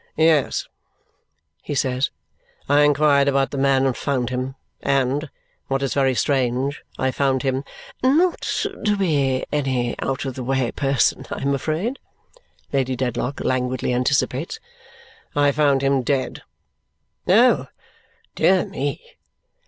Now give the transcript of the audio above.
"Yes," he says, "I inquired about the man, and found him. And, what is very strange, I found him " "Not to be any out of the way person, I am afraid!" Lady Dedlock languidly anticipates. "I found him dead." "Oh, dear me!"